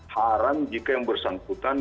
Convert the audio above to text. haram jika yang bersangkutan